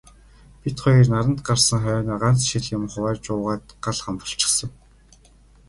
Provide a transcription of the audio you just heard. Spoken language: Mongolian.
Бид хоёр наранд гарсан хойноо ганц шил юм хувааж уугаад гал хам болчихсон.